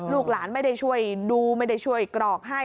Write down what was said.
ลูกหลานไม่ได้ช่วยดูไม่ได้ช่วยกรอกให้